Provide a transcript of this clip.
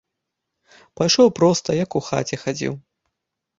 Пайшоў проста, як у хаце хадзіў.